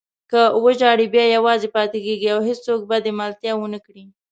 که وژاړې بیا یوازې پاتې کېږې او هېڅوک به دې ملتیا ونه کړي.